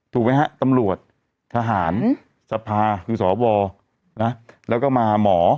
ถูกไหมฮะตำรวจทหารสภาคือสวนะแล้วก็มาหมอ